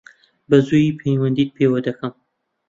بەزوویی پەیوەندیت پێوە دەکەم.